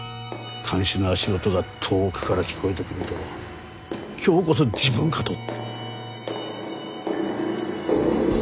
看守の足音が遠くから聞こえてくると今日こそ自分かと。